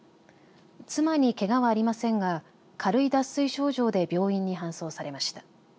妻にけがはありませんが軽い脱水症状で病院に搬送されました。